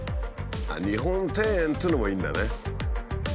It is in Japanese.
日本庭園っていうのもいいんだね。